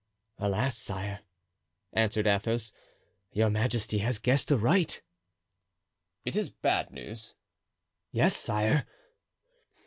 "Alas, sire," answered Athos, "your majesty has guessed aright." "It is bad news?" "Yes, sire."